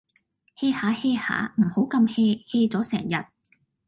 hea 吓 hea 吓，唔好咁 hea，hea 咗成日